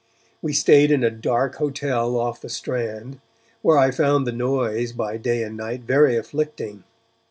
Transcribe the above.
We stayed in a dark hotel off the Strand, where I found the noise by day and night very afflicting.